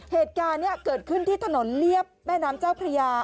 เหตุการณ์นี้เกิดขึ้นที่ถนนเรียบแม่น้ำเจ้าพระยา